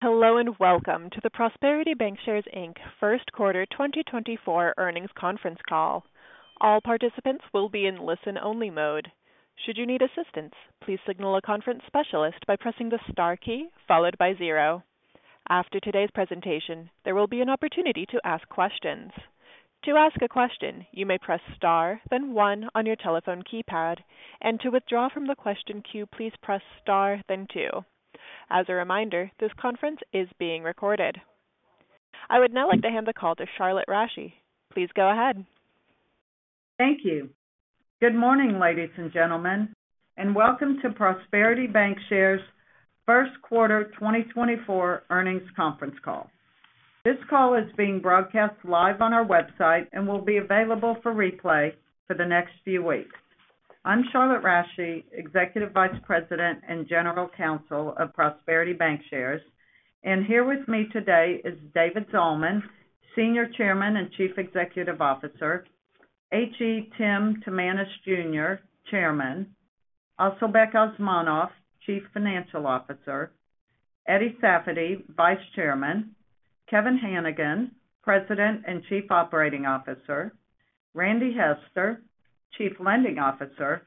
Hello, and welcome to the Prosperity Bancshares, Inc. First Quarter 2024 Earnings Conference Call. All participants will be in listen-only mode. Should you need assistance, please signal a conference specialist by pressing the star key followed by zero. After today's presentation, there will be an opportunity to ask questions. To ask a question, you may press star, then one on your telephone keypad, and to withdraw from the question queue, please press star, then two. As a reminder, this conference is being recorded. I would now like to hand the call to Charlotte Rasche. Please go ahead. Thank you. Good morning, ladies and gentlemen, and welcome to Prosperity Bancshares' First Quarter 2024 Earnings Conference Call. This call is being broadcast live on our website and will be available for replay for the next few weeks. I'm Charlotte Rasche, Executive Vice President and General Counsel of Prosperity Bancshares, and here with me today is David Zalman, Senior Chairman and Chief Executive Officer, H.E. Tim Timanus, Jr., Chairman, Asylbek Osmonov, Chief Financial Officer, Eddie Safady, Vice Chairman, Kevin Hanigan, President and Chief Operating Officer, Randy Hester, Chief Lending Officer,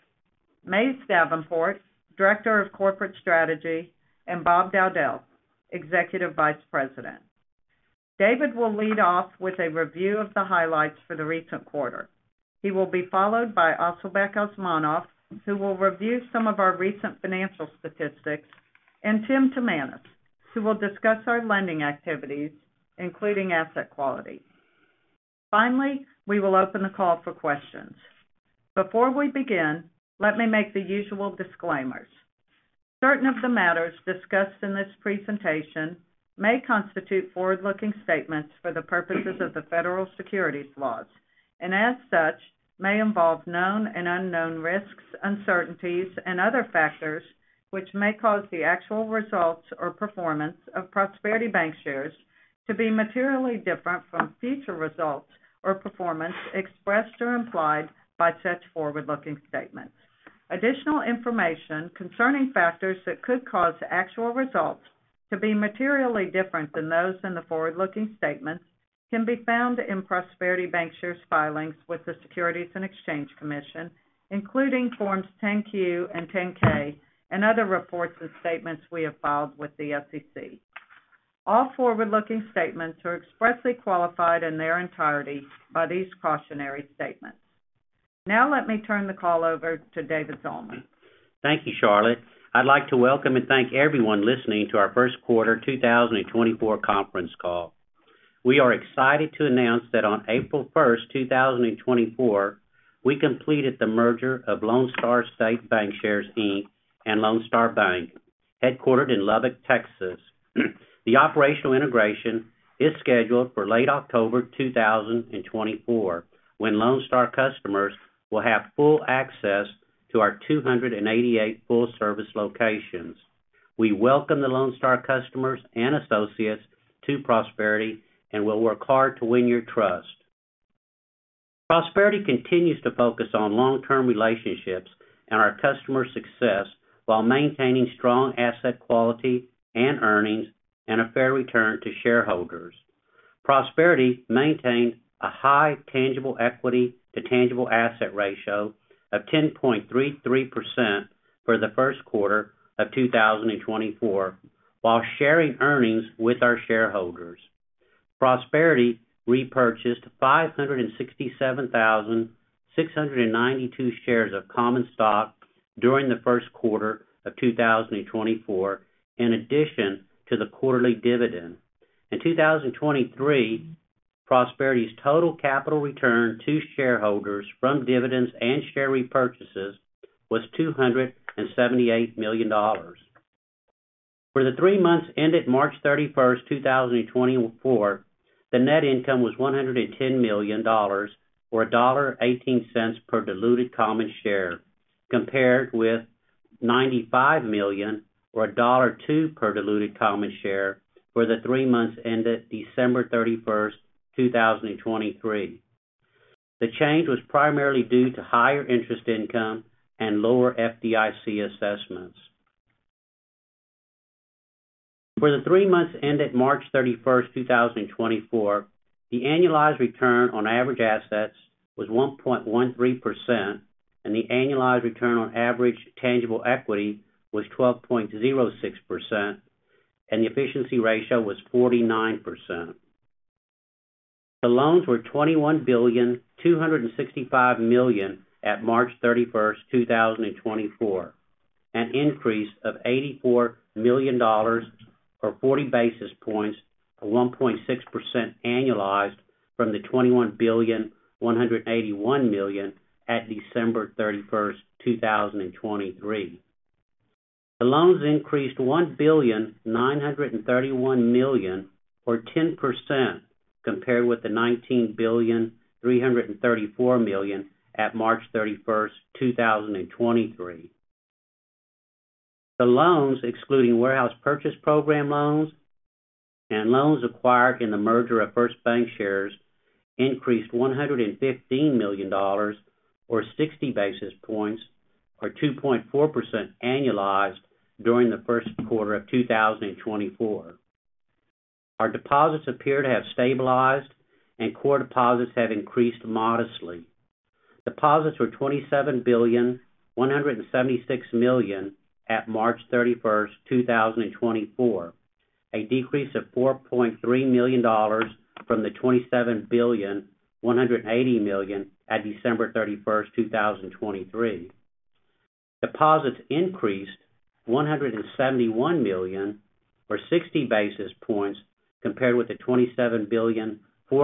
Mays Davenport, Director of Corporate Strategy, and Bob Dowdell, Executive Vice President. David will lead off with a review of the highlights for the recent quarter. He will be followed by Asylbek Osmonov, who will review some of our recent financial statistics, and Tim Timanus, who will discuss our lending activities, including asset quality. Finally, we will open the call for questions. Before we begin, let me make the usual disclaimers. Certain of the matters discussed in this presentation may constitute forward-looking statements for the purposes of the federal securities laws, and as such, may involve known and unknown risks, uncertainties, and other factors which may cause the actual results or performance of Prosperity Bancshares to be materially different from future results or performance expressed or implied by such forward-looking statements. Additional information concerning factors that could cause actual results to be materially different than those in the forward-looking statements can be found in Prosperity Bancshares' filings with the Securities and Exchange Commission, including Forms 10-Q and 10-K and other reports and statements we have filed with the SEC. All forward-looking statements are expressly qualified in their entirety by these cautionary statements. Now let me turn the call over to David Zalman. Thank you, Charlotte. I'd like to welcome and thank everyone listening to our first quarter 2024 conference call. We are excited to announce that on April 1st, 2024, we completed the merger of Lone Star State Bancshares Inc. and Lone Star Bank, headquartered in Lubbock, Texas. The operational integration is scheduled for late October 2024, when Lone Star customers will have full access to our 288 full service locations. We welcome the Lone Star customers and associates to Prosperity and will work hard to win your trust. Prosperity continues to focus on long-term relationships and our customer success while maintaining strong asset quality and earnings and a fair return to shareholders. Prosperity maintained a high tangible equity to tangible asset ratio of 10.33% for the first quarter of 2024, while sharing earnings with our shareholders. Prosperity repurchased 567,692 shares of common stock during the first quarter of 2024, in addition to the quarterly dividend. In 2023, Prosperity's total capital return to shareholders from dividends and share repurchases was $278 million. For the 3 months ended March 31st, 2024, the net income was $110 million, or $1.18 per diluted common share, compared with $95 million or $1.02 per diluted common share for the 3 months ended December 31st, 2023. The change was primarily due to higher interest income and lower FDIC assessments. For the 3 months ended March 31st, 2024, the annualized return on average assets was 1.13%, and the annualized return on average tangible equity was 12.06%, and the efficiency ratio was 49%. The loans were $21.265 billion at March 31st, 2024, an increase of $84 million, or 40 basis points, to 1.6% annualized from the $21.181 billion at December 31st, 2023. The loans increased $1.931 billion, or 10%, compared with the $19.334 billion at March 31, 2023. The loans, excluding warehouse purchase program loans-... Loans acquired in the merger of First Bank Shares increased $115 million, or 60 basis points, or 2.4% annualized during the first quarter of 2024. Our deposits appear to have stabilized, and core deposits have increased modestly. Deposits were $27.176 billion at March 31st 2024, a decrease of $4.3 million from the $27.180 billion at December 31st, 2023. Deposits increased $171 million, or 60 basis points, compared with the $27.004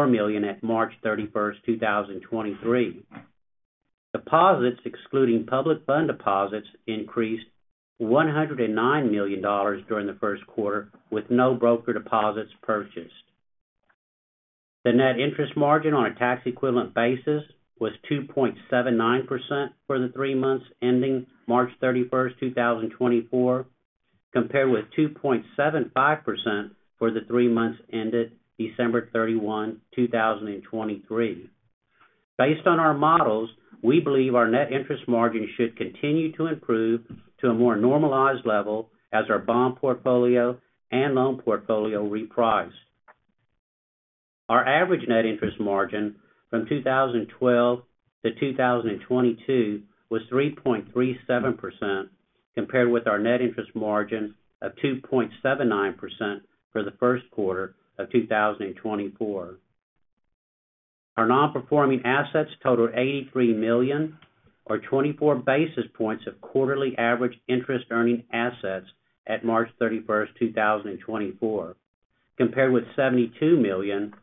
billion at March 31st, 2023. Deposits, excluding public fund deposits, increased $109 million during the first quarter, with no broker deposits purchased. The net interest margin on a tax equivalent basis was 2.79% for the three months ending March 31st, 2024, compared with 2.75% for the 3 months ended December 31, 2023. Based on our models, we believe our net interest margin should continue to improve to a more normalized level as our bond portfolio and loan portfolio reprice. Our average net interest margin from 2012-2022 was 3.37%, compared with our net interest margin of 2.79% for the first quarter of 2024. Our non-performing assets total $83 million, or 24 basis points of quarterly average interest earning assets at March 31st, 2024, compared with $72 million,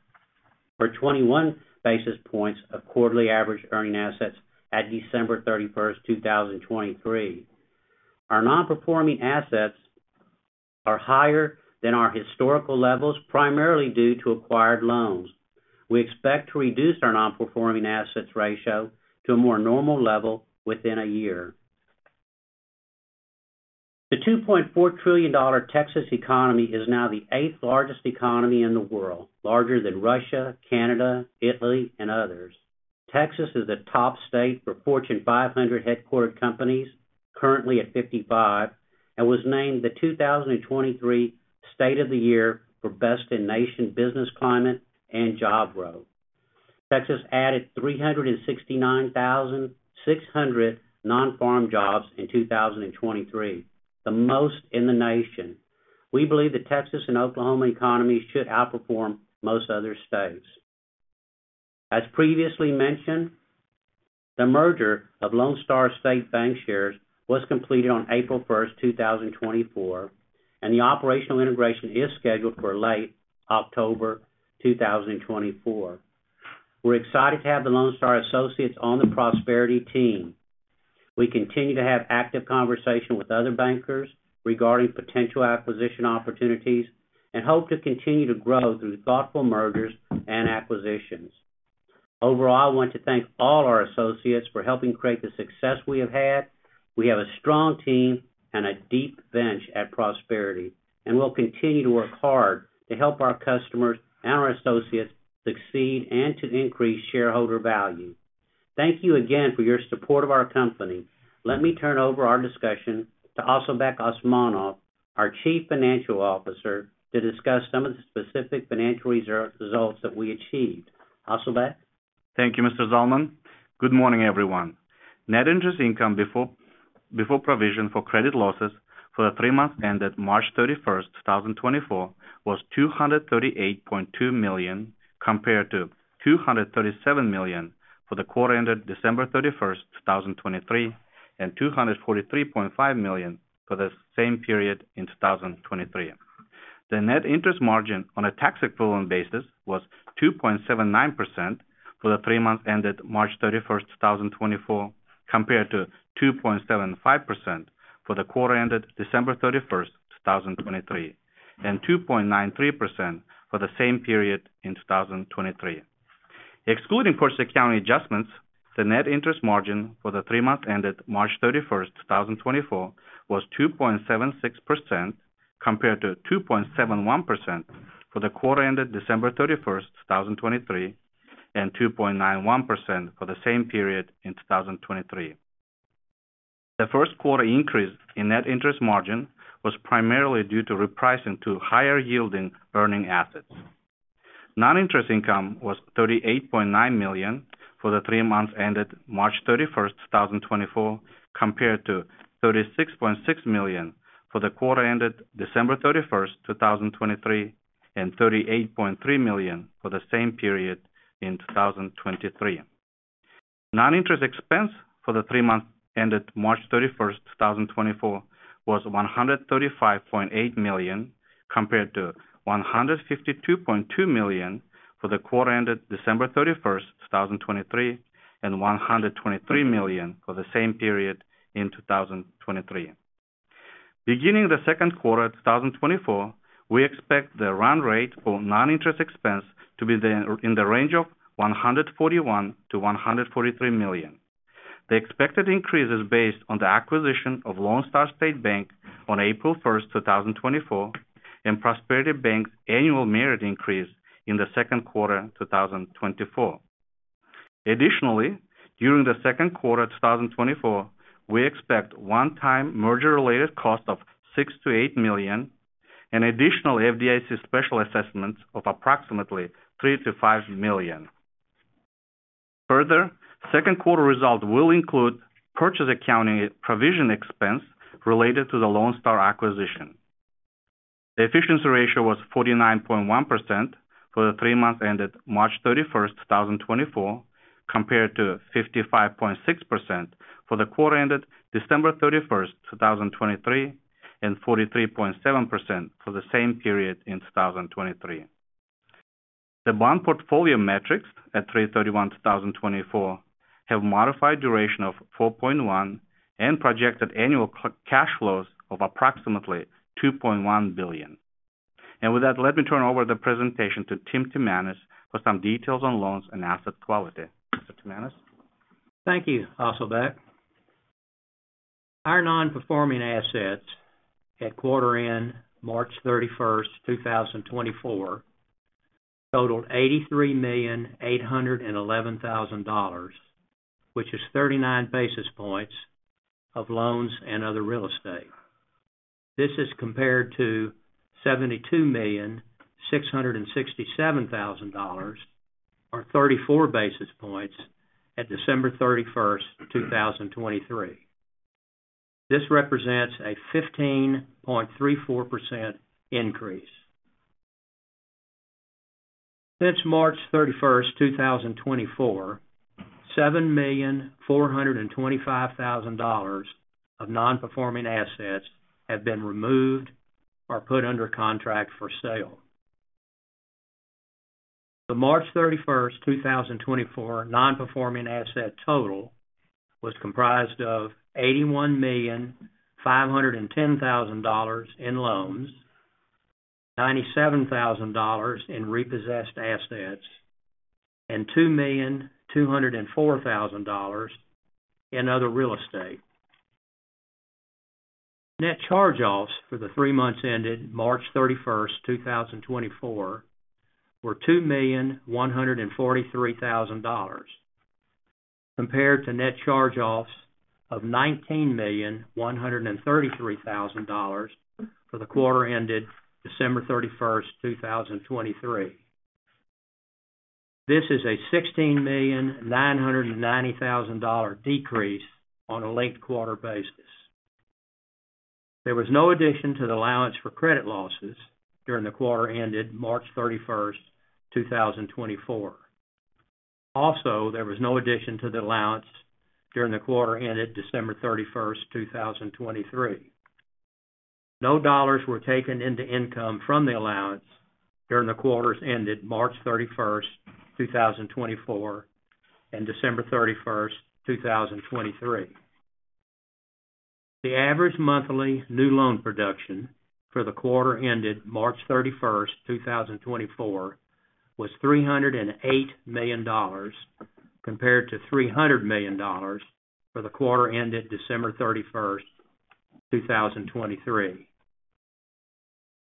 or 21 basis points of quarterly average earning assets at December 31st, 2023. Our non-performing assets are higher than our historical levels, primarily due to acquired loans. We expect to reduce our non-performing assets ratio to a more normal level within a year. The $2.4 trillion Texas economy is now the 8th largest economy in the world, larger than Russia, Canada, Italy, and others. Texas is the top state for Fortune 500 headquartered companies, currently at 55, and was named the 2023 State of the Year for Best in Nation Business Climate and Job Growth. Texas added 369,600 non-farm jobs in 2023, the most in the nation. We believe the Texas and Oklahoma economies should outperform most other states. As previously mentioned, the merger of Lone Star State Bancshares was completed on April 1st, 2024, and the operational integration is scheduled for late October 2024. We're excited to have the Lone Star associates on the Prosperity team. We continue to have active conversation with other bankers regarding potential acquisition opportunities and hope to continue to grow through thoughtful mergers and acquisitions. Overall, I want to thank all our associates for helping create the success we have had. We have a strong team and a deep bench at Prosperity, and we'll continue to work hard to help our customers and our associates succeed and to increase shareholder value. Thank you again for your support of our company. Let me turn over our discussion to Asylbek Osmonov, our Chief Financial Officer, to discuss some of the specific financial results that we achieved. Asylbek? Thank you, Mr. Zalman. Good morning, everyone. Net interest income before provision for credit losses for the three months ended March 31st, 2024, was $238.2 million, compared to $237 million for the quarter ended December 31st, 2023, and $243.5 million for the same period in 2023. The net interest margin on a tax equivalent basis was 2.79% for the three months ended March 31st, 2024, compared to 2.75% for the quarter ended December 31st, 2023, and 2.93% for the same period in 2023. Excluding portfolio accounting adjustments, the net interest margin for the three months ended March 31s, 2024, was 2.76%, compared to 2.71% for the quarter ended December 31st, 2023, and 2.91% for the same period in 2023. The first quarter increase in net interest margin was primarily due to repricing to higher yielding earning assets. Non-interest income was $38.9 million for the three months ended March 31st, 2024, compared to $36.6 million for the quarter ended December 31st, 2023, and $38.3 million for the same period in 2023. Non-interest expense for the three months ended March 31st, 2024, was $135.8 million, compared to $152.2 million for the quarter ended December 31st, 2023, and $123 million for the same period in 2023. Beginning the second quarter of 2024, we expect the run rate for non-interest expense to be in the range of $141 million-$143 million. The expected increase is based on the acquisition of Lone Star State Bank on April 1st, 2024, and Prosperity Bank's annual merit increase in the second quarter 2024. Additionally, during the second quarter 2024, we expect one-time merger-related cost of $6 million-$8 million and additional FDIC special assessments of approximately $3 million-$5 million. Further, second quarter results will include purchase accounting provision expense related to the Lone Star acquisition. The efficiency ratio was 49.1% for the three months ended March 31st, 2024, compared to 55.6% for the quarter ended December 31st, 2023, and 43.7% for the same period in 2023. The bond portfolio metrics at 3/31/2024 have modified duration of 4.1 and projected annual cash flows of approximately $2.1 billion. And with that, let me turn over the presentation to Tim Timanus for some details on loans and asset quality. Mr. Timanus? Thank you, Asylbek. Our non-performing assets at quarter end, March 31st, 2024, totaled $83,811,000, which is 39 basis points of loans and other real estate. This is compared to $72,667,000, or 34 basis points at December 31st, 2023. This represents a 15.34% increase. Since March 31st, 2024, $7,425,000 of non-performing assets have been removed or put under contract for sale. The March 31st, 2024, non-performing asset total was comprised of $81,510,000 in loans, $97,000 in repossessed assets, and $2,204,000 in other real estate. Net charge-offs for the three months ended March 31st, 2024, were $2,143,000, compared to net charge-offs of $19,133,000 for the quarter ended December 31st, 2023. This is a $16,990,000 decrease on a linked quarter basis. There was no addition to the allowance for credit losses during the quarter ended March 31st, 2024. Also, there was no addition to the allowance during the quarter ended December 31st, 2023. No dollars were taken into income from the allowance during the quarters ended March 31st, 2024, and December 31st, 2023. The average monthly new loan production for the quarter ended March 31st 2024, was $308 million, compared to $300 million for the quarter ended December 31st, 2023.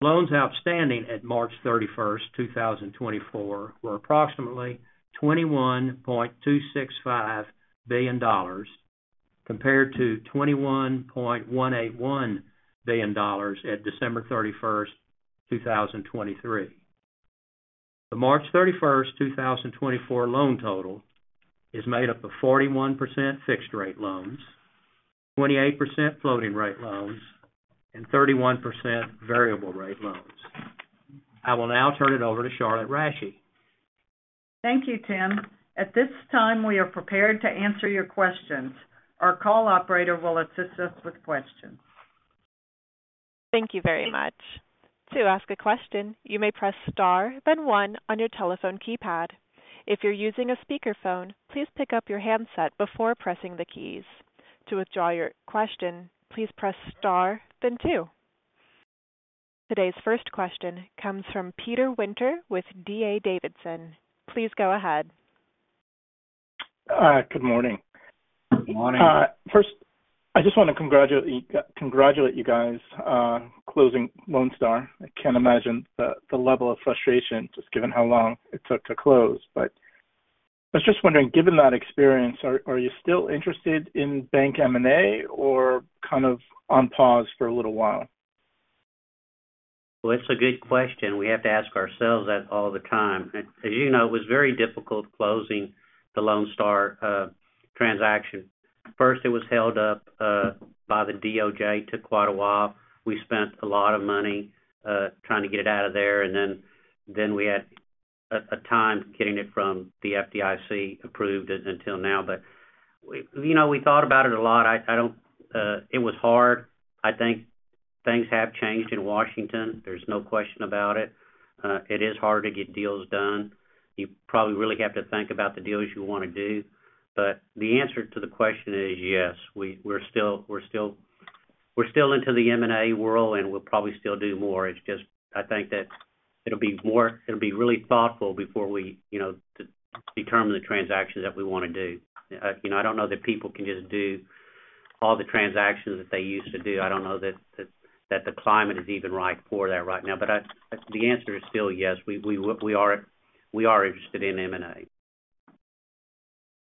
Loans outstanding at March 31st 2024, were approximately $21.265 billion, compared to $21.181 billion at December 31st, 2023. The March 31st 2024, loan total is made up of 41% fixed rate loans, 28% floating rate loans, and 31% variable rate loans. I will now turn it over to Charlotte Rasche. Thank you, Tim. At this time, we are prepared to answer your questions. Our call operator will assist us with questions. Thank you very much. To ask a question, you may press star, then one on your telephone keypad. If you're using a speakerphone, please pick up your handset before pressing the keys. To withdraw your question, please press star then two. Today's first question comes from Peter Winter with D.A. Davidson. Please go ahead. Good morning. Good morning. First, I just want to congratulate you guys on closing Lone Star. I can't imagine the level of frustration, just given how long it took to close. But I was just wondering, given that experience, are you still interested in bank M&A or kind of on pause for a little while? Well, it's a good question. We have to ask ourselves that all the time. As you know, it was very difficult closing the Lone Star transaction. First, it was held up by the DOJ, took quite a while. We spent a lot of money trying to get it out of there, and then we had a time getting it from the FDIC approved until now. But we, you know, we thought about it a lot. I don't it was hard. I think things have changed in Washington. There's no question about it. It is hard to get deals done. You probably really have to think about the deals you want to do. But the answer to the question is yes, we're still, we're still. We're still into the M&A world, and we'll probably still do more. It's just, I think that it'll be more, it'll be really thoughtful before we, you know, determine the transactions that we want to do. You know, I don't know that people can just do all the transactions that they used to do. I don't know that the climate is even right for that right now. But, the answer is still yes, we are interested in M&A.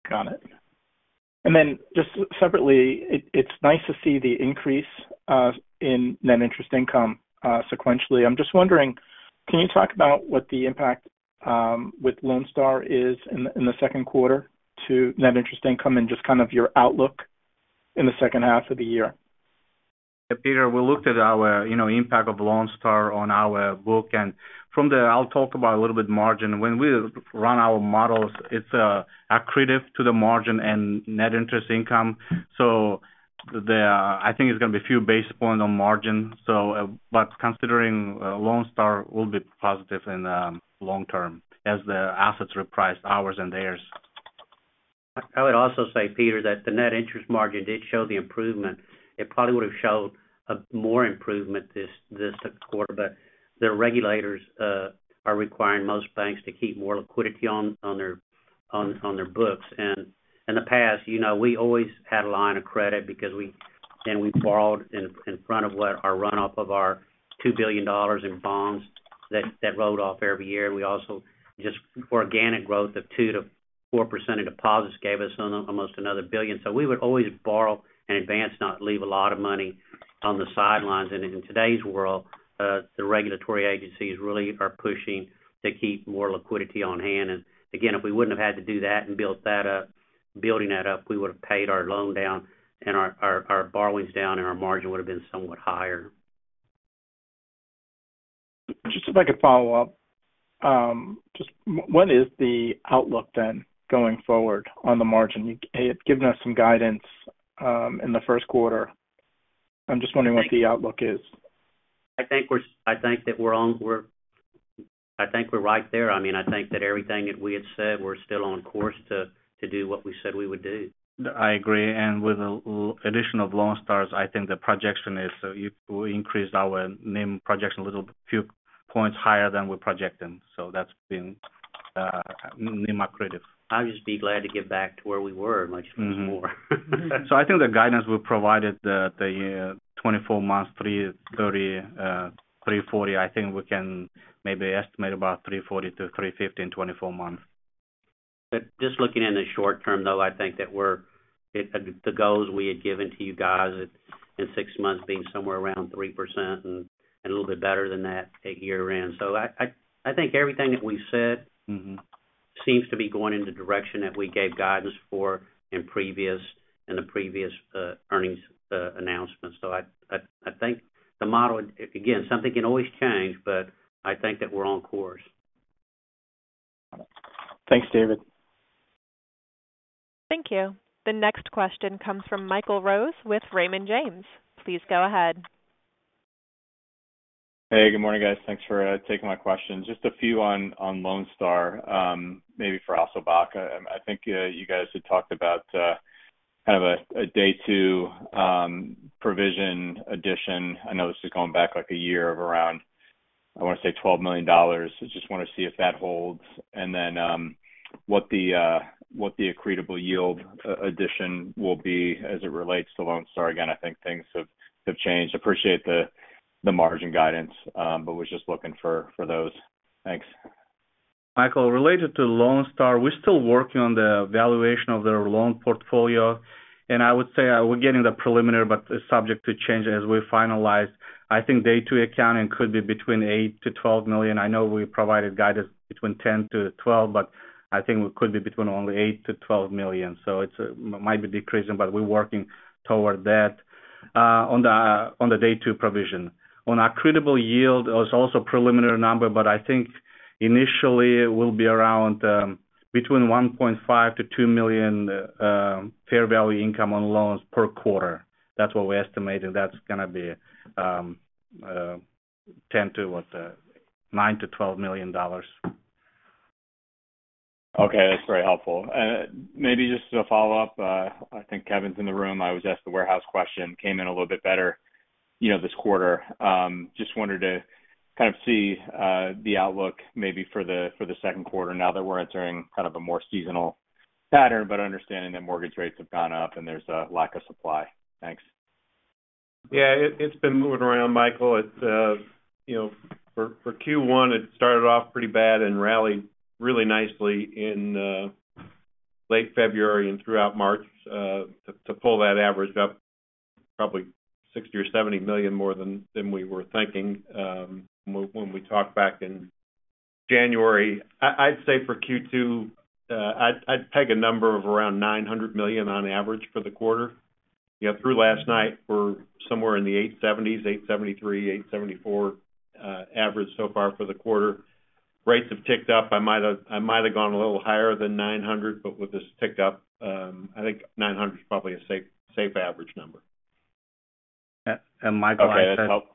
Got it. And then just separately, it's nice to see the increase in net interest income sequentially. I'm just wondering, can you talk about what the impact with Lone Star is in the second quarter to net interest income and just kind of your outlook in the second half of the year? Yeah, Peter, we looked at our, you know, impact of Lone Star on our book, and from there, I'll talk about a little bit margin. When we run our models, it's accretive to the margin and net interest income. So the, I think it's gonna be a few basis points on margin. So, but considering, Lone Star will be positive in the long term as the assets reprice ours and theirs. I would also say, Peter, that the net interest margin did show the improvement. It probably would've showed more improvement this quarter, but the regulators are requiring most banks to keep more liquidity on their books. In the past, you know, we always had a line of credit because we borrowed in front of what our runoff of our $2 billion in bonds that rolled off every year. We also just organic growth of 2%-4% of deposits gave us almost another $1 billion. So we would always borrow in advance, not leave a lot of money on the sidelines. In today's world, the regulatory agencies really are pushing to keep more liquidity on hand. And again, if we wouldn't have had to do that and build that up, we would've paid our loan down and our borrowings down, and our margin would've been somewhat higher. Just if I could follow up. Just what is the outlook then going forward on the margin? You, you've given us some guidance in the first quarter. I'm just wondering what the outlook is. I think that we're on. We're right there. I mean, I think that everything that we had said, we're still on course to do what we said we would do. I agree, and with the addition of Lone Star, I think the projection is, so we increased our NIM projection a little few points higher than we're projecting. So that's been, NIM accretive. I'll just be glad to get back to where we were much more. So I think the guidance we provided, 24 months, 3.30, 3.40, I think we can maybe estimate about 3.40-3.50 in 24 months. But just looking in the short term, though, I think that we're, it, the goals we had given to you guys in six months being somewhere around 3% and a little bit better than that at year-end. So I think everything that we've said. Mm-hmm. It seems to be going in the direction that we gave guidance for in the previous earnings announcement. So I think the model, again, something can always change, but I think that we're on course. Thanks, David. Thank you. The next question comes from Michael Rose with Raymond James. Please go ahead. Hey, good morning, guys. Thanks for taking my questions. Just a few on Lone Star, maybe for Asylbek. I think you guys had talked about kind of a day two provision addition. I know this is going back like a year of around, I want to say, $12 million. I just want to see if that holds and then what the accretable yield addition will be as it relates to Lone Star. Again, I think things have changed. Appreciate the margin guidance, but was just looking for those. Thanks. Michael, related to Lone Star, we're still working on the valuation of their loan portfolio, and I would say we're getting the preliminary, but it's subject to change as we finalize. I think day two accounting could be between $8 million-$12 million. I know we provided guidance between $10 million-$12 million, but I think it could be between only $8 million-$12 million. So it's might be decreasing, but we're working toward that, on the day two provision. On accretable yield, it was also a preliminary number, but I think initially it will be around between $1.5 million-$2 million fair value income on loans per quarter. That's what we're estimating. That's gonna be 10 to, what? Nine to $12 million. Okay, that's very helpful. Maybe just as a follow-up, I think Kevin's in the room. I would ask the warehouse question came in a little bit better, you know, this quarter. Just wanted to kind of see the outlook maybe for the, for the second quarter now that we're entering kind of a more seasonal pattern, but understanding that mortgage rates have gone up and there's a lack of supply. Thanks. Yeah, it's been moving around, Michael. It's, you know, for Q1, it started off pretty bad and rallied really nicely in late February and throughout March, to pull that average up probably $60 million or $70 million more than we were thinking, when we talked back in January. I'd say for Q2, I'd peg a number of around $900 million on average for the quarter. You know, through last night, we're somewhere in the 870, 873, 874, average so far for the quarter. Rates have ticked up. I might have gone a little higher than 900, but with this ticked up, I think 900 is probably a safe average number.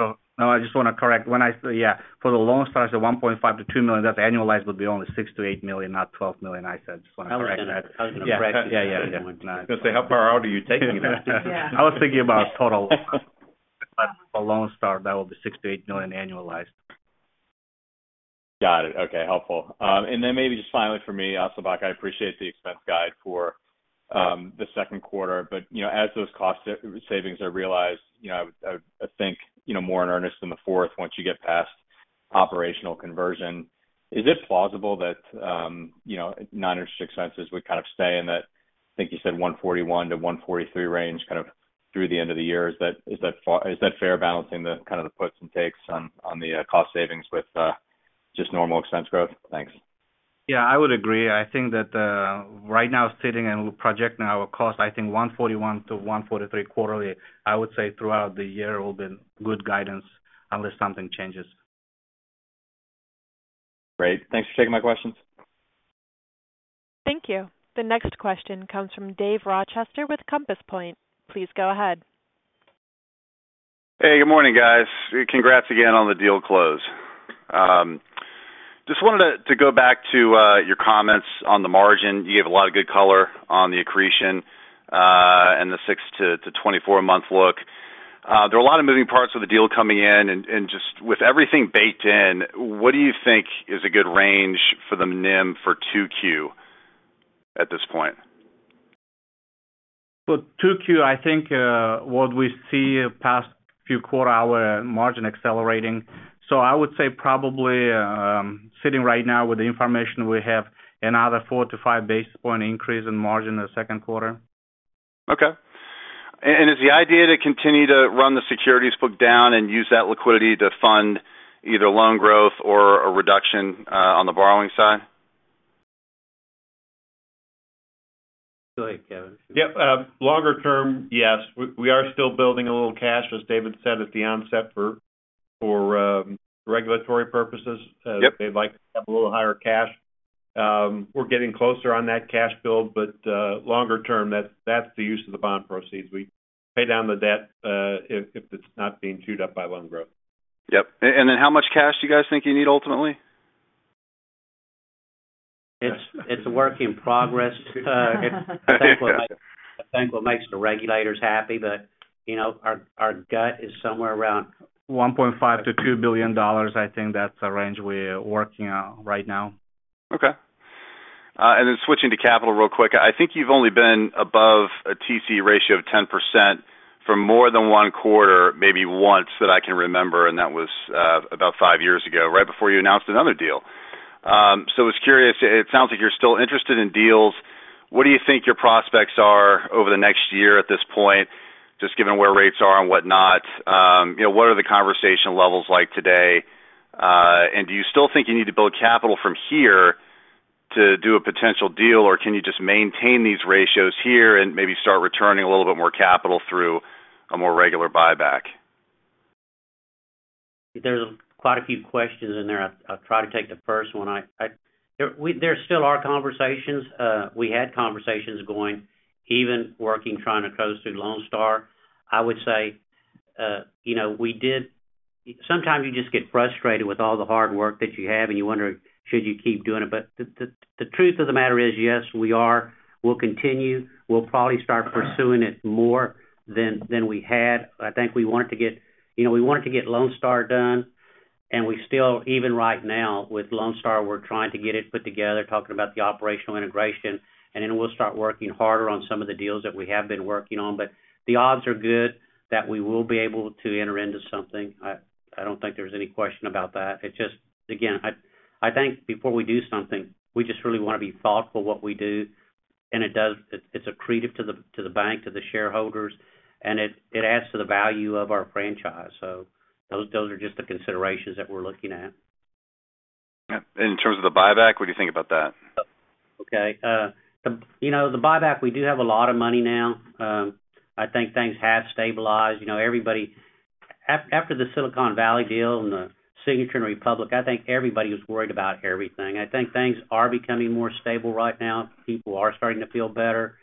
So no, I just want to correct when I say, yeah, for the Lone Stars of $1.5 million-$2 million, that's annualized would be only $6 million-$8 million, not $12 million. I said, just want to correct that. Yeah, yeah, yeah. I was going to say, how far out are you taking that? I was thinking about total. A Lone Star, that will be $6 million-$8 million annualized. Got it. Okay, helpful. And then maybe just finally for me, also, Bob, I appreciate the expense guide for the second quarter, but, you know, as those cost savings are realized, you know, I think, you know, more in earnest in the fourth, once you get past operational conversion, is it plausible that, you know, non-interest expenses would kind of stay in that, I think you said $141-$143 range, kind of through the end of the year? Is that fair balancing the kind of the puts and takes on the cost savings with just normal expense growth? Thanks. Yeah, I would agree. I think that, right now, sitting and projecting our cost, I think $141-$143 quarterly, I would say throughout the year will be good guidance unless something changes. Great. Thanks for taking my questions. Thank you. The next question comes from Dave Rochester with Compass Point. Please go ahead. Hey, good morning, guys. Congrats again on the deal close. Just wanted to go back to your comments on the margin. You gave a lot of good color on the accretion, and the 6-24 month look. There are a lot of moving parts of the deal coming in, and just with everything baked in, what do you think is a good range for the NIM for 2Q at this point? Well, 2Q, I think, what we see past few quarter, our margin accelerating. So I would say probably, sitting right now with the information we have, another 4-5 basis point increase in margin in the second quarter. Okay. Is the idea to continue to run the securities book down and use that liquidity to fund either loan growth or a reduction on the borrowing side? Go ahead, Kevin. Yep. Longer term, yes. We are still building a little cash, as David said, at the onset for regulatory purposes. Yep. They'd like to have a little higher cash. We're getting closer on that cash build, but longer term, that's the use of the bond proceeds. We pay down the debt, if it's not being chewed up by loan growth. Yep. And then, how much cash do you guys think you need ultimately? It's a work in progress. I think what makes the regulators happy that, you know, our gut is somewhere around. $1.5 billion-$2 billion. I think that's the range we're working on right now. Okay. And then switching to capital real quick. I think you've only been above a TC ratio of 10% for more than 1 quarter, maybe once, that I can remember, and that was about 5 years ago, right before you announced another deal. So I was curious, it sounds like you're still interested in deals. What do you think your prospects are over the next year at this point, just given where rates are and whatnot? You know, what are the conversation levels like today? And do you still think you need to build capital from here to do a potential deal, or can you just maintain these ratios here and maybe start returning a little bit more capital through a more regular buyback? There's quite a few questions in there. I'll try to take the first one. There still are conversations. We had conversations going, even working, trying to coast through Lone Star. I would say, you know, we did. Sometimes you just get frustrated with all the hard work that you have, and you wonder, should you keep doing it? But the truth of the matter is, yes, we are. We'll continue. We'll probably start pursuing it more than we had. I think we wanted to get, you know, we wanted to get Lone Star done, and we still, even right now with Lone Star, we're trying to get it put together, talking about the operational integration, and then we'll start working harder on some of the deals that we have been working on. But the odds are good that we will be able to enter into something. I don't think there's any question about that. It's just, again, I think before we do something, we just really want to be thoughtful what we do, and it does, it's accretive to the bank, to the shareholders, and it adds to the value of our franchise. So those are just the considerations that we're looking at. In terms of the buyback, what do you think about that? Okay. You know, the buyback, we do have a lot of money now. I think things have stabilized. You know, everybody. After the Silicon Valley Bank and the Signature Bank and Republic Bank, I think everybody was worried about everything. I think things are becoming more stable right now. People are starting to feel better.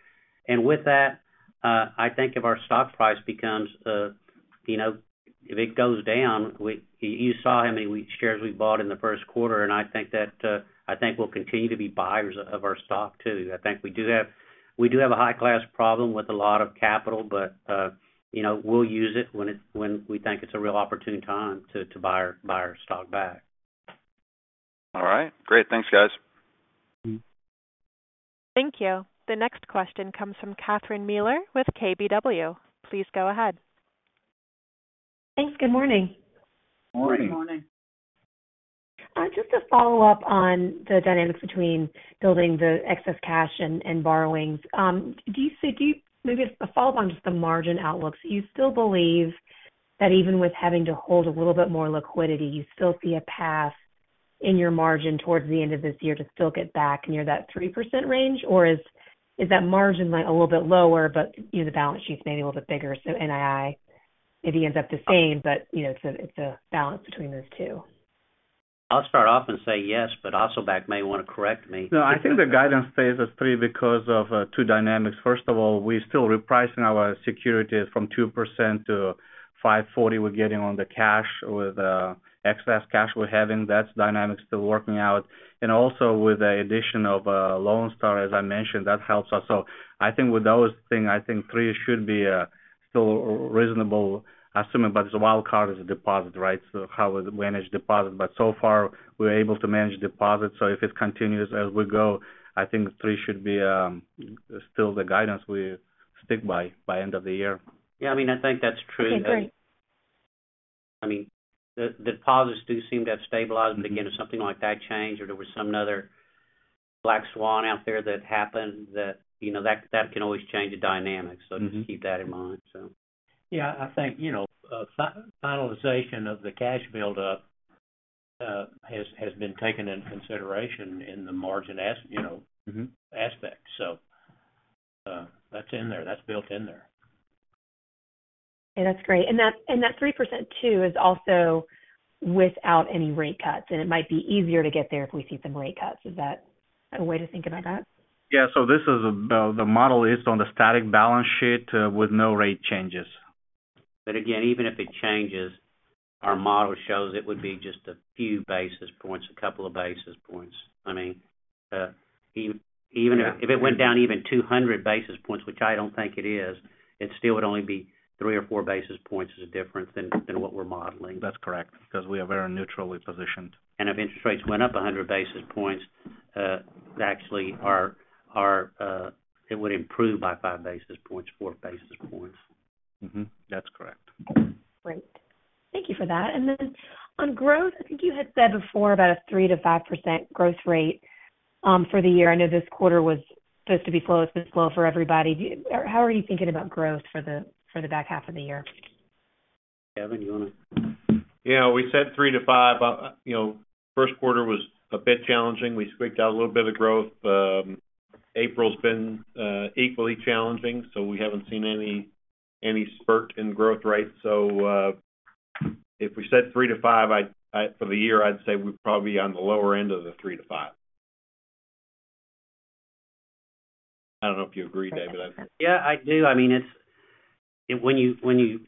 And with that, I think if our stock price becomes, you know, if it goes down, you saw how many shares we bought in the first quarter, and I think that, I think we'll continue to be buyers of our stock, too. I think we do have, we do have a high-class problem with a lot of capital, but, you know, we'll use it when we think it's a real opportune time to buy our stock back. All right. Great. Thanks, guys. Thank you. The next question comes from Catherine Mealor with KBW. Please go ahead. Thanks. Good morning. Morning. Good morning. Just to follow up on the dynamics between building the excess cash and borrowings. Do you see a follow-up on just the margin outlooks. Do you still believe that even with having to hold a little bit more liquidity, you still see a path in your margin towards the end of this year to still get back near that 3% range? Or is that margin line a little bit lower, but, you know, the balance sheet is maybe a little bit bigger, so NII, maybe ends up the same, but, you know, it's a balance between those two? I'll start off and say yes, but Osmonov may want to correct me. No, I think the guidance phase is three because of two dynamics. First of all, we're still repricing our securities from 2% to 5.40%. We're getting on the cash with excess cash we're having. That's dynamic still working out. And also, with the addition of Lone Star, as I mentioned, that helps us. So I think with those things, I think three should be still reasonable assuming, but the wild card is a deposit, right? So how we manage deposit. But so far, we're able to manage deposits. So if it continues as we go, I think three should be still the guidance we stick by by end of the year. Yeah, I mean, I think that's true. Okay, great. I mean, the deposits do seem to have stabilized, but again, if something like that change or there was some other black swan out there that happened, you know, that can always change the dynamics. Mm-hmm. So just keep that in mind, so. Yeah, I think, you know, finalization of the cash buildup has been taken into consideration in the margin as, you know- Mm-hmm aspect. So, that's in there. That's built in there. Yeah, that's great. And that, and that 3% too, is also without any rate cuts, and it might be easier to get there if we see some rate cuts. Is that a way to think about that? Yeah, so this is the model is on the static balance sheet with no rate changes. But again, even if it changes, our model shows it would be just a few basis points, a couple of basis points. I mean, even if- Yeah If it went down even 200 basis points, which I don't think it is, it still would only be 3 or 4 basis points as a difference than what we're modeling. That's correct, because we are very neutrally positioned. If interest rates went up 100 basis points, actually our it would improve by 5 basis points, 4 basis points. Mm-hmm, that's correct. Great. Thank you for that. And then on growth, I think you had said before about a 3%-5% growth rate for the year. I know this quarter was supposed to be slow. It's been slow for everybody. How are you thinking about growth for the back half of the year? Kevin, you want to? Yeah, we said 3-5. You know, first quarter was a bit challenging. We squeaked out a little bit of growth. April's been equally challenging, so we haven't seen any spurt in growth rate. So, if we said 3-5, I'd for the year, I'd say we're probably on the lower end of the 3-5. I don't know if you agree, David. Yeah, I do. I mean it's, when you, when you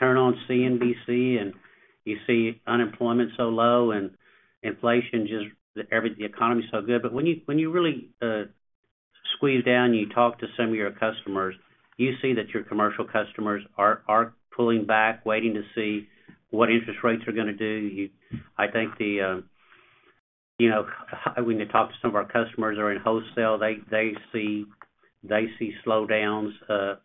turn on CNBC and you see unemployment so low and inflation just every, the economy so good. But when you really squeeze down, you talk to some of your customers, you see that your commercial customers are pulling back, waiting to see what interest rates are going to do. You, I think the, you know, when you talk to some of our customers who are in wholesale, they, they see, they see slowdowns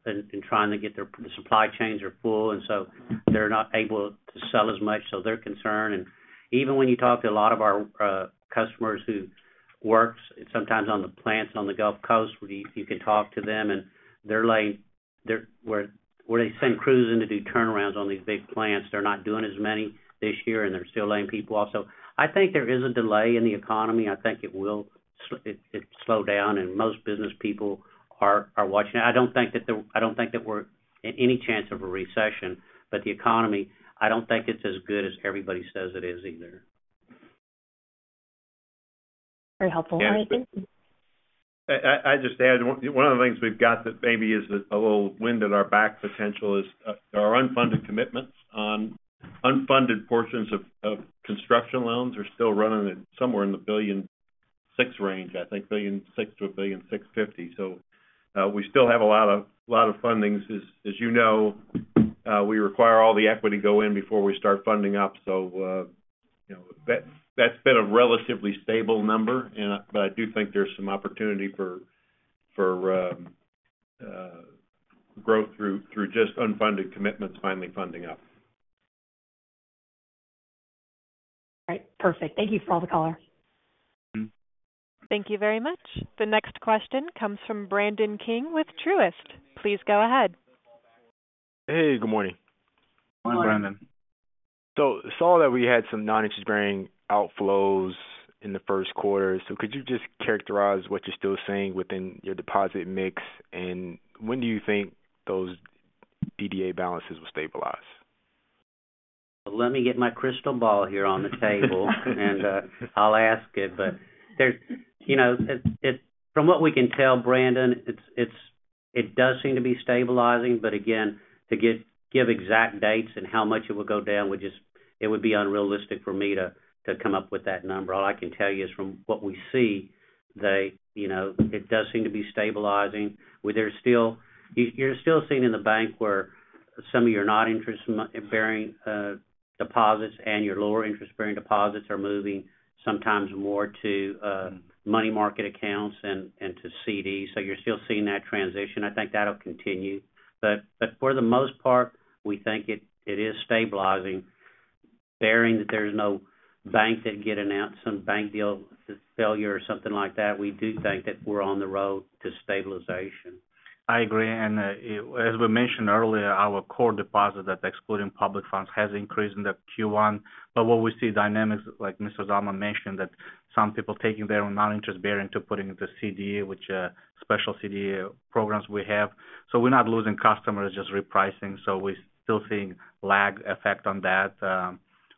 in trying to get their, the supply chains are full, and so they're not able to sell as much, so they're concerned. And even when you talk to a lot of our customers who works sometimes on the plants on the Gulf Coast, where you can talk to them, and they're laying where they send crews in to do turnarounds on these big plants, they're not doing as many this year, and they're still laying people off. So I think there is a delay in the economy. I think it will slow down, and most business people are watching. I don't think that we're in any chance of a recession, but the economy, I don't think it's as good as everybody says it is either. Very helpful. Thank you. I just add, one of the things we've got that maybe is a little wind at our back potential is our unfunded commitments. On unfunded portions of construction loans are still running at somewhere in the $1.6 billion range, I think $1.6 billion-$1.65 billion. So, we still have a lot of fundings. As you know, we require all the equity go in before we start funding up. So, you know, that's been a relatively stable number and but I do think there's some opportunity for growth through just unfunded commitments, finally funding up. All right. Perfect. Thank you for all the color. Mm-hmm. Thank you very much. The next question comes from Brandon King with Truist. Please go ahead. Hey, good morning. Good morning, Brandon. Good morning. So saw that we had some non-interest bearing outflows in the first quarter. So could you just characterize what you're still seeing within your deposit mix? And when do you think those DDA balances will stabilize? Let me get my crystal ball here on the table, and, I'll ask it. But there's, you know, it, from what we can tell, Brandon, it's- it does seem to be stabilizing, but again, to give exact dates and how much it would go down, would just- it would be unrealistic for me to come up with that number. All I can tell you is from what we see, they, you know, it does seem to be stabilizing, where there's still, you're still seeing in the bank where some of your non-interest bearing deposits and your lower interest-bearing deposits are moving sometimes more to money market accounts and to CD. So you're still seeing that transition. I think that'll continue. But for the most part, we think it is stabilizing, barring that there's no bank deal that gets announced, some bank deal failure or something like that. We do think that we're on the road to stabilization. I agree, and, as we mentioned earlier, our core deposit that excluding public funds, has increased in the Q1. But what we see dynamics, like Mr. Zalman mentioned, that some people taking their non-interest bearing to putting into CD, which, special CD programs we have. So we're not losing customers, just repricing, so we're still seeing lag effect on that,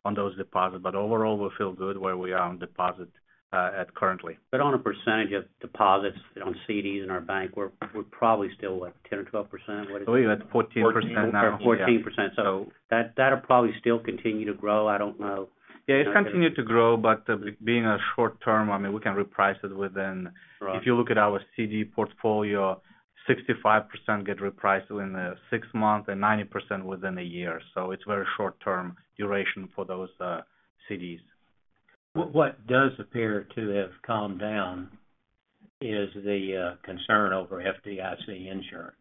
on those deposits, but overall, we feel good where we are on deposits, at currently. But on a percentage of deposits on CDs in our bank, we're probably still at 10% or 12%? What is it? I believe at 14% now. 14%. So that, that'll probably still continue to grow? I don't know. Yeah, it continued to grow, but, being a short term, I mean, we can reprice it within- Right. If you look at our CD portfolio, 65% get repriced within 6 months and 90% within 1 year. So it's very short-term duration for those, CDs. What, what does appear to have calmed down is the concern over FDIC insurance.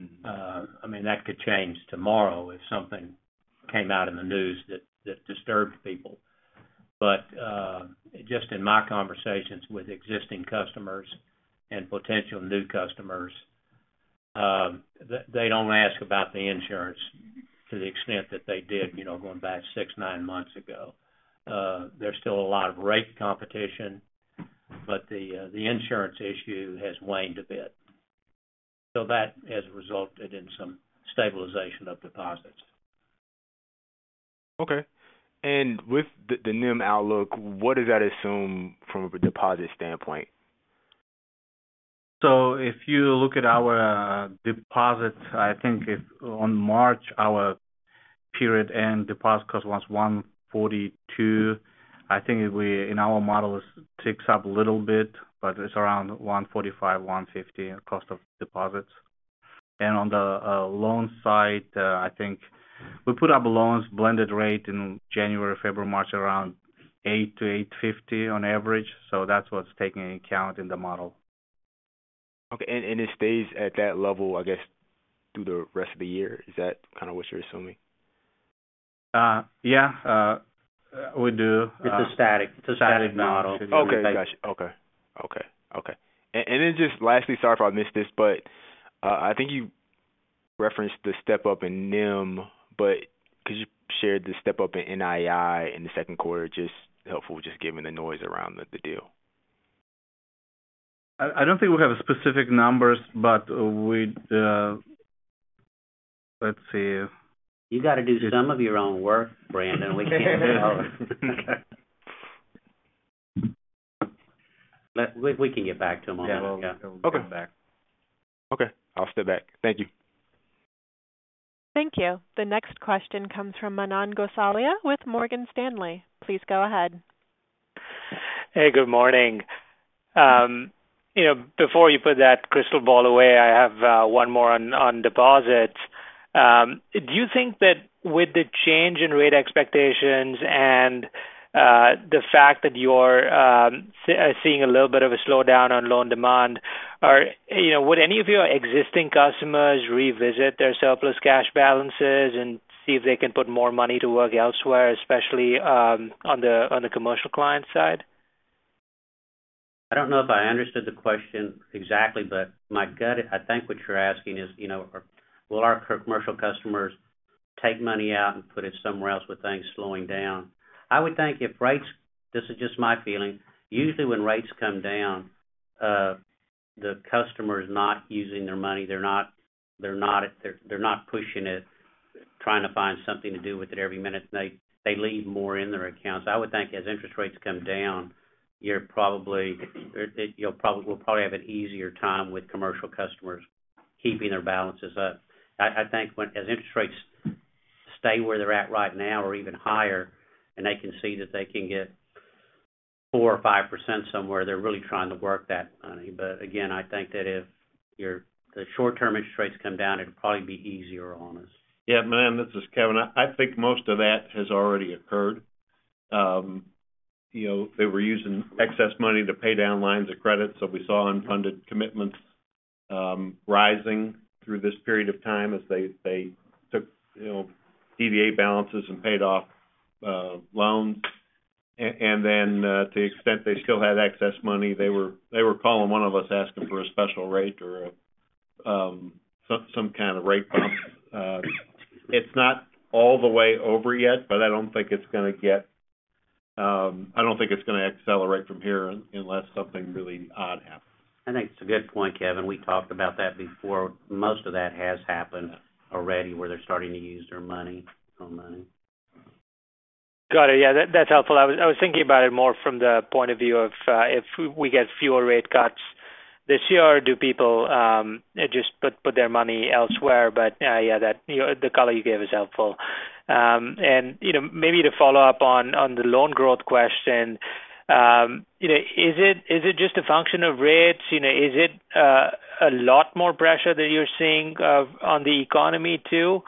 Mm-hmm. I mean, that could change tomorrow if something came out in the news that, that disturbed people. But, just in my conversations with existing customers and potential new customers, they, they don't ask about the insurance to the extent that they did, you know, going back 6-9 months ago. There's still a lot of rate competition, but the, the insurance issue has waned a bit. So that has resulted in some stabilization of deposits. Okay. And with the NIM outlook, what does that assume from a deposit standpoint? So if you look at our deposits, I think if on March, our period-end deposit cost was 1.42%, I think if we, in our model, it ticks up a little bit, but it's around 1.45%-1.50%, cost of deposits. And on the loan side, I think we put up loans blended rate in January, February, March, around 8%-8.50% on average. So that's what's taking into account in the model. Okay. And, and it stays at that level, I guess, through the rest of the year. Is that kind of what you're assuming? Yeah, we do. It's a static model. Okay, got you. Then just lastly, sorry if I missed this, but I think you referenced the step up in NIM, but could you share the step up in NII in the second quarter? Just helpful, just given the noise around the deal. I don't think we have specific numbers, but we'd... Let's see. You got to do some of your own work, Brandon. We can't do it all. But we can get back to him on that. Yeah, we'll get back. Okay. I'll step back. Thank you. Thank you. The next question comes from Manan Gosalia with Morgan Stanley. Please go ahead. Hey, good morning. You know, before you put that crystal ball away, I have one more on deposits. Do you think that with the change in rate expectations and the fact that you're seeing a little bit of a slowdown on loan demand, you know, would any of your existing customers revisit their surplus cash balances and see if they can put more money to work elsewhere, especially on the commercial client side? I don't know if I understood the question exactly, but my gut, I think what you're asking is, you know, will our commercial customers take money out and put it somewhere else with things slowing down? I would think if rates, this is just my feeling, usually when rates come down, the customer is not using their money, they're not, they're not, they're not pushing it, trying to find something to do with it every minute, they, they leave more in their accounts. I would think as interest rates come down, you're probably, you'll probably, we'll probably have an easier time with commercial customers keeping their balances up. I, I think when, as interest rates stay where they're at right now or even higher, and they can see that they can get 4% or 5% somewhere, they're really trying to work that money. But again, I think that if the short-term interest rates come down, it'll probably be easier on us. Yeah, Manan, this is Kevin. I think most of that has already occurred. You know, they were using excess money to pay down lines of credit, so we saw unfunded commitments rising through this period of time as they took, you know, DDA balances and paid off loans. And then, to the extent they still had excess money, they were calling one of us asking for a special rate or a some kind of rate bump. It's not all the way over yet, but I don't think it's gonna get, I don't think it's gonna accelerate from here unless something really odd happens. I think it's a good point, Kevin. We talked about that before. Most of that has happened already, where they're starting to use their money, on money. Got it. Yeah, that's helpful. I was thinking about it more from the point of view of if we get fewer rate cuts this year, do people just put their money elsewhere? But yeah, you know, the color you gave is helpful. And, you know, maybe to follow up on the loan growth question, you know, is it just a function of rates? You know, is it a lot more pressure that you're seeing on the economy, too?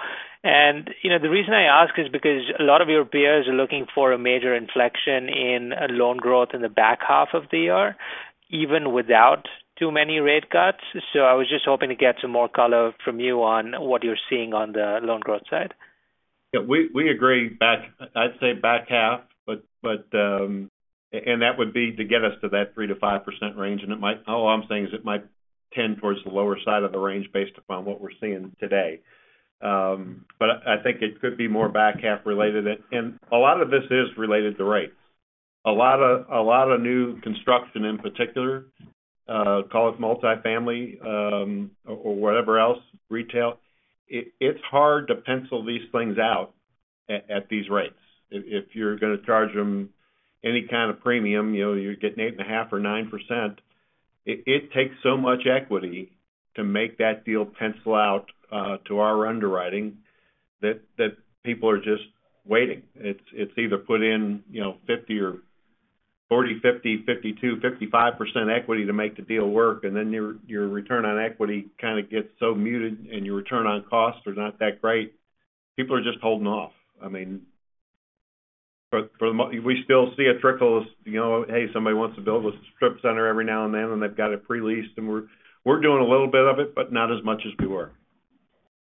And, you know, the reason I ask is because a lot of your peers are looking for a major inflection in loan growth in the back half of the year, even without too many rate cuts. So I was just hoping to get some more color from you on what you're seeing on the loan growth side. Yeah, we agree back. I'd say back half, but and that would be to get us to that 3%-5% range, and it might, all I'm saying is it might tend towards the lower side of the range based upon what we're seeing today. But I think it could be more back half related. And a lot of this is related to rates. A lot of new construction, in particular, call it multifamily, or whatever else, retail. It's hard to pencil these things out at these rates. If you're gonna charge them any kind of premium, you know, you're getting 8.5% or 9%, it takes so much equity to make that deal pencil out to our underwriting, that people are just waiting. It's either put in, you know, 50 or 40, 50, 52, 55% equity to make the deal work, and then your return on equity kind a gets so muted, and your return on cost is not that great. People are just holding off. I mean, but for the most, we still see a trickle of, you know, hey, somebody wants to build a strip center every now and then, and they've got it pre-leased, and we're doing a little bit of it, but not as much as we were.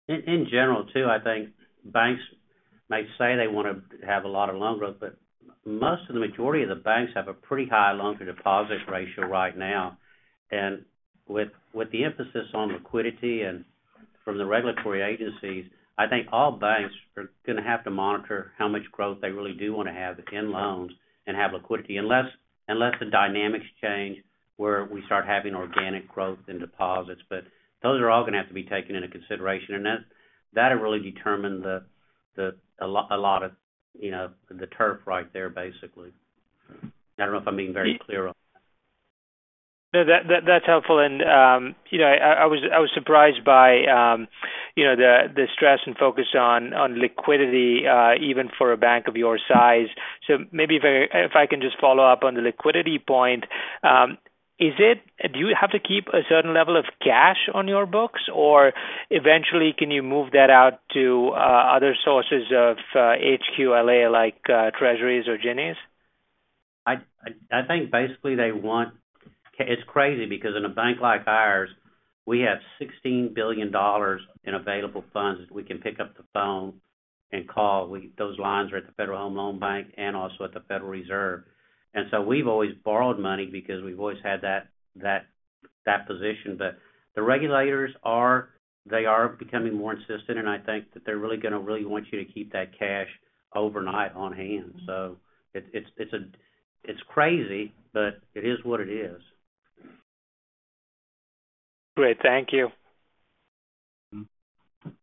In general, too, I think banks may say they wanna have a lot of loan growth, but most of the majority of the banks have a pretty high loan-to-deposit ratio right now. And with the emphasis on liquidity and from the regulatory agencies, I think all banks are gonna have to monitor how much growth they really do wanna have in loans and have liquidity. Unless the dynamics change, where we start having organic growth in deposits. But those are all gonna have to be taken into consideration, and that'll really determine a lot of, you know, the turf right there, basically. I don't know if I'm being very clear on that. No, that, that, that's helpful. And, you know, I was surprised by, you know, the stress and focus on liquidity, even for a bank of your size. So maybe if I can just follow up on the liquidity point, is it—do you have to keep a certain level of cash on your books? Or eventually, can you move that out to other sources of HQLA, like Treasuries or Ginnies? I think basically, they want, it's crazy, because in a bank like ours, we have $16 billion in available funds. We can pick up the phone and call. We, those lines are at the Federal Home Loan Bank and also at the Federal Reserve. And so we've always borrowed money because we've always had that position. But the regulators are, they are becoming more insistent, and I think that they're really gonna want you to keep that cash overnight on hand. So it's a, it's crazy, but it is what it is. Great. Thank you.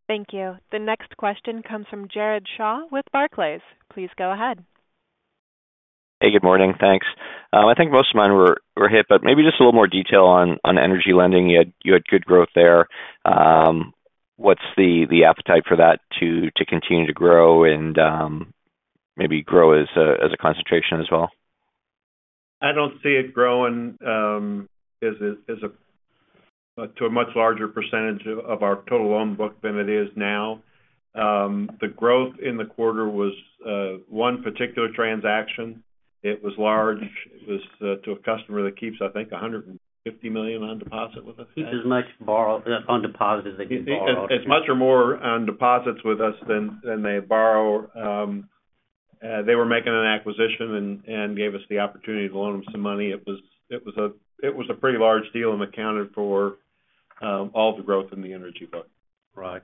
Thank you. The next question comes from Jared Shaw with Barclays. Please go ahead. Hey, good morning. Thanks. I think most of mine were hit, but maybe just a little more detail on energy lending. You had good growth there. What's the appetite for that to continue to grow and maybe grow as a concentration as well? I don't see it growing to a much larger percentage of our total loan book than it is now. The growth in the quarter was one particular transaction. It was large. It was to a customer that keeps, I think, $150 million on deposit with us. It's as much borrow on deposit as they can borrow. It's as much or more on deposits with us than they borrow. They were making an acquisition and gave us the opportunity to loan them some money. It was a pretty large deal and accounted for all the growth in the energy book. Right.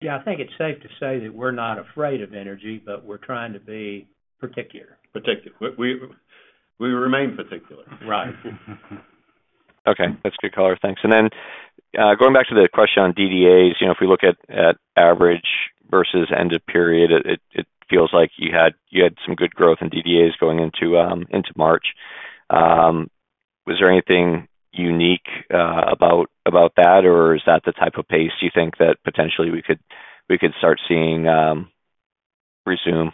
Yeah, I think it's safe to say that we're not afraid of energy, but we're trying to be particular. Particular. We remain particular. Right. Okay, that's good color. Thanks. And then, going back to the question on DDAs, you know, if we look at average versus end of period, it feels like you had some good growth in DDAs going into March. Was there anything unique about that, or is that the type of pace you think that potentially we could start seeing resume?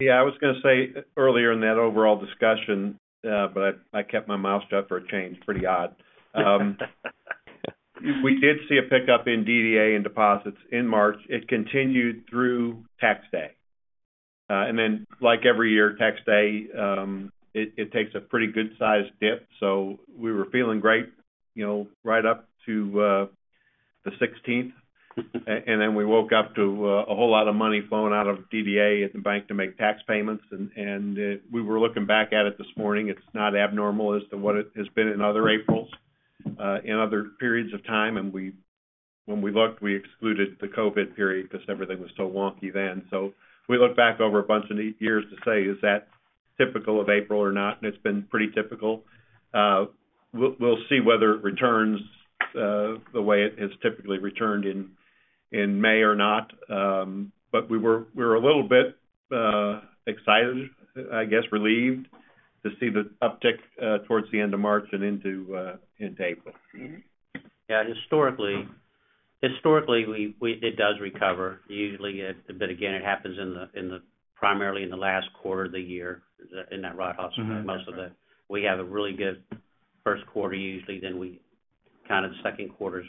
Yeah, I was gonna say earlier in that overall discussion, but I kept my mouth shut for a change. Pretty odd. We did see a pickup in DDA and deposits in March. It continued through tax day. And then like every year, tax day, it takes a pretty good-sized dip, so we were feeling great, you know, right up to the sixteenth. And then we woke up to a whole lot of money flowing out of DDA at the bank to make tax payments. And we were looking back at it this morning. It's not abnormal as to what it has been in other Aprils, in other periods of time. And when we looked, we excluded the COVID period because everything was so wonky then. So we looked back over a bunch of years to say: Is that typical of April or not? It's been pretty typical. We'll see whether it returns the way it has typically returned in May or not. But we're a little bit excited, I guess, relieved, to see the uptick towards the end of March and into April. Mm-hmm. Yeah, historically, we, it does recover. Usually, it, but again, it happens primarily in the last quarter of the year. Isn't that right, HOSS? Mm-hmm. Most of the, we have a really good first quarter usually, then we kind of the second quarter's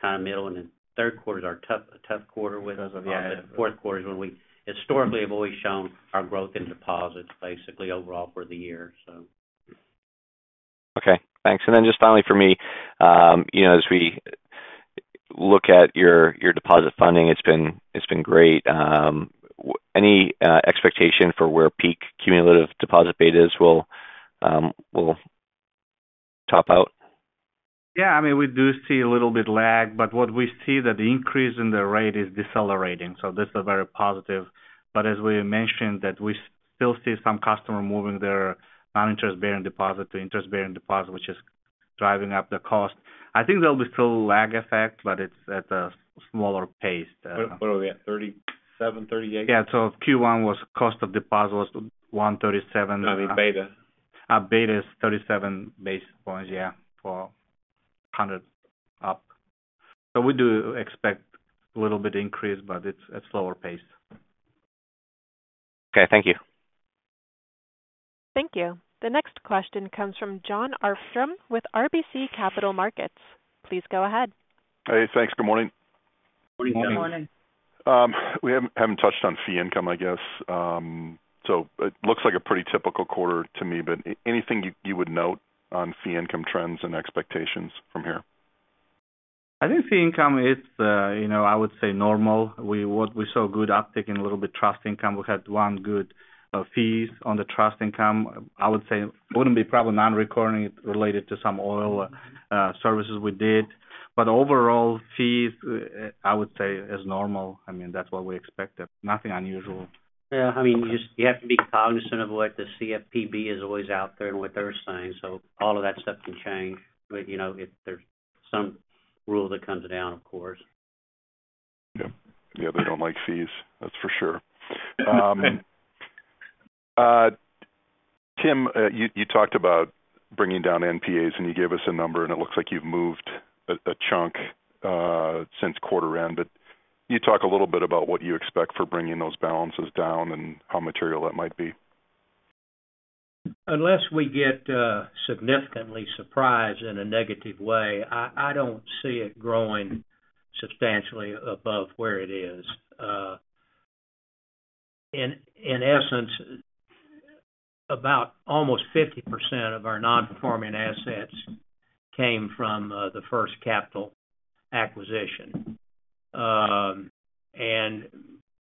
kind of middle, and then third quarter is our tough, tough quarter with us. Yeah. Fourth quarter is when we historically have always shown our growth in deposits, basically overall for the year, so. Okay, thanks. And then just finally for me, you know, as we look at your deposit funding, it's been great. Any expectation for where peak cumulative deposit beta is will, will top out? Yeah, I mean, we do see a little bit lag, but what we see that the increase in the rate is decelerating, so this is very positive. But as we mentioned, that we still see some customer moving their non-interest-bearing deposit to interest-bearing deposit, which is driving up the cost. I think there'll be still lag effect, but it's at a smaller pace. What, what are we at, 37-38? Yeah, so Q1 cost of deposits was 1.37. No, I mean, beta. Beta is 37 basis points, yeah, 400 up. So we do expect a little bit increase, but it's at slower pace. Okay, thank you. Thank you. The next question comes from Jon Arfstrom with RBC Capital Markets. Please go ahead. Hey, thanks. Good morning. Good morning. Morning. We haven't touched on fee income, I guess. It looks like a pretty typical quarter to me, but anything you would note on fee income trends and expectations from here? I think fee income is, you know, I would say normal. We saw good uptick in a little bit trust income. We had one good, fees on the trust income. I would say, wouldn't be probably non-recurring related to some oil, services we did. But overall fees, I would say is normal. I mean, that's what we expected. Nothing unusual. Yeah, I mean, you just, you have to be cognizant of what the CFPB is always out there and what they're saying, so all of that stuff can change. But, you know, if there's some rule that comes down, of course. Yeah. Yeah, they don't like fees, that's for sure. Tim, you talked about bringing down NPAs, and you gave us a number, and it looks like you've moved a chunk since quarter end. But can you talk a little bit about what you expect for bringing those balances down and how material that might be? Unless we get significantly surprised in a negative way, I don't see it growing substantially above where it is. In essence, about almost 50% of our non-performing assets came from the First Capital acquisition.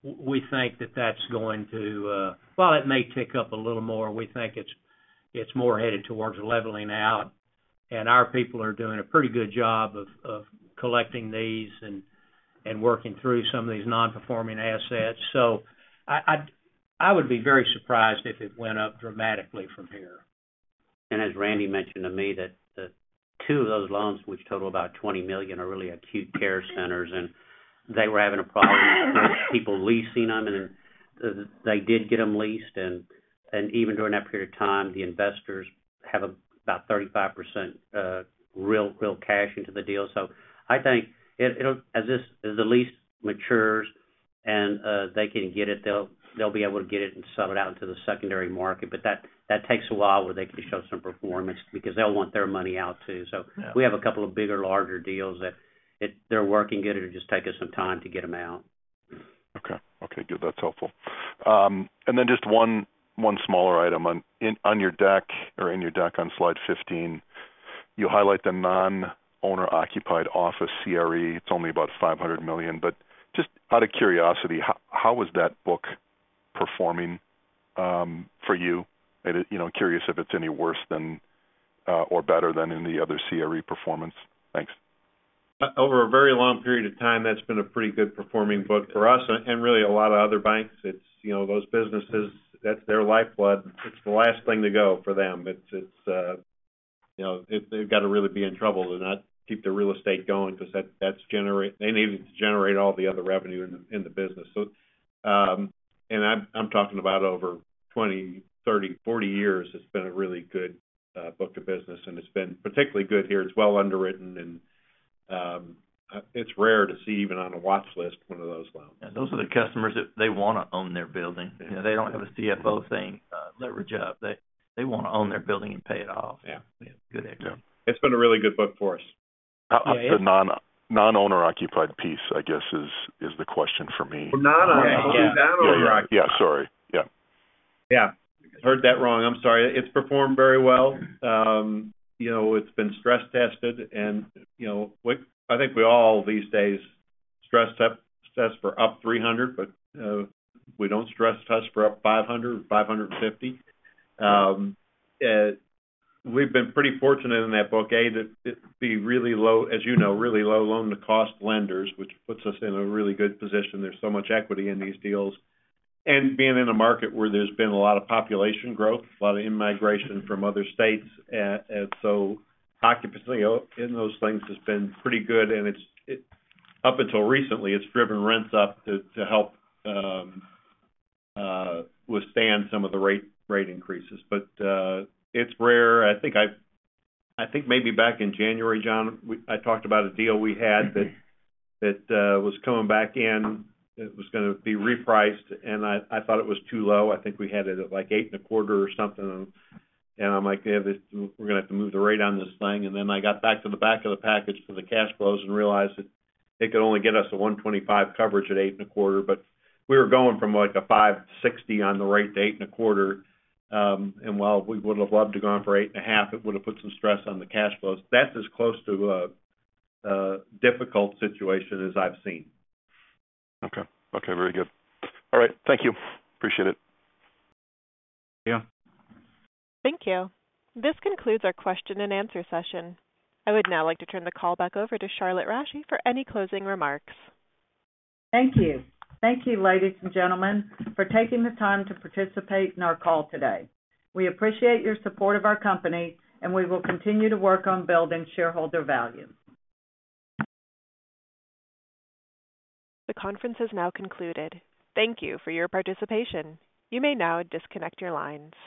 We think that that's going to, well, it may tick up a little more. We think it's more headed towards leveling out, and our people are doing a pretty good job of collecting these and working through some of these non-performing assets. So I would be very surprised if it went up dramatically from here. And as Randy mentioned to me, that the two of those loans, which total about $20 million, are really acute care centers, and they were having a problem with people leasing them, and then they did get them leased. And even during that period of time, the investors have about 35%, real, real cash into the deal. So I think it'll, as the lease matures and they can get it, they'll be able to get it and sell it out into the secondary market. But that takes a while, where they can show some performance, because they'll want their money out, too. Yeah. So we have a couple of bigger, larger deals that they're working it. It'll just take us some time to get them out. Okay. Okay, good, that's helpful. And then just one, one smaller item. On, in, on your deck or in your deck, on slide 15, you highlight the non-owner-occupied office CRE. It's only about $500 million, but just out of curiosity, how, how is that book performing, for you? And, you know, I'm curious if it's any worse than or better than any other CRE performance. Thanks. Over a very long period of time, that's been a pretty good performing book for us and really a lot of other banks. It's, you know, those businesses, that's their lifeblood. It's the last thing to go for them. It's, you know, they've got to really be in trouble to not keep the real estate going because they need it to generate all the other revenue in the business. So, and I'm talking about over 20, 30, 40 years, it's been a really good book of business, and it's been particularly good here. It's well underwritten and it's rare to see, even on a watch list, one of those loans. Those are the customers that they wanna own their building. Yeah. They don't have a CFO saying, "Leverage up." They, they wanna own their building and pay it off. Yeah. Yeah, good effort. It's been a really good book for us. The non-owner-occupied piece, I guess, is the question for me. The non-owner-occupied. Yeah. Yeah, sorry. Yeah. Yeah. Heard that wrong. I'm sorry. It's performed very well. You know, it's been stress-tested and, you know, we, I think we all, these days, stress test for up 300, but, we don't stress test for up 500, 550. We've been pretty fortunate in that book, A, that it be really low, as you know, really low loan-to-cost lenders, which puts us in a really good position. There's so much equity in these deals. And being in a market where there's been a lot of population growth, a lot of in-migration from other states. And so occupancy in those things has been pretty good, and it's. Up until recently, it's driven rents up to help withstand some of the rate increases. But, it's rare. I think maybe back in January, Jon, we ,I talked about a deal we had that was coming back in. It was gonna be repriced, and I thought it was too low. I think we had it at, like, 8.25 or something, and I'm like: Yeah, this, we're gonna have to move the rate on this thing. And then I got back to the back of the package for the cash flows and realized that it could only get us a 1.25 coverage at 8.25, but we were going from, like, a 5.60 on the rate to 8.25. And while we would have loved to have gone for 8.5, it would have put some stress on the cash flows. That's as close to a difficult situation as I've seen. Okay. Okay, very good. All right. Thank you. Appreciate it. Yeah. Thank you. This concludes our question and answer session. I would now like to turn the call back over to Charlotte Rasche for any closing remarks. Thank you. Thank you, ladies and gentlemen, for taking the time to participate in our call today. We appreciate your support of our company, and we will continue to work on building shareholder value. The conference is now concluded. Thank you for your participation. You may now disconnect your lines.